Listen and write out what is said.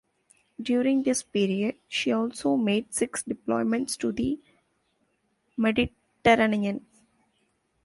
During this period, she also made six deployments to the Mediterranean.